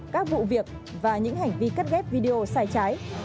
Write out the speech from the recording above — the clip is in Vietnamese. các vụ việc và những hành vi cắt ghép video sai trái